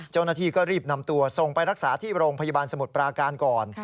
เจ้าหน้าที่ก็รีบนำตัวส่งไปรักษาที่โรงพยาบาลสมุทรปราการก่อน